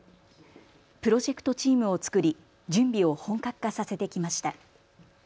プロジェクトチームを作り準備を本格化させてきました。